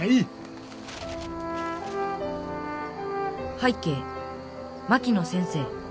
「拝啓槙野先生。